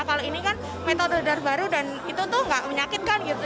kalau ini kan metode baru dan itu tuh gak menyakitkan gitu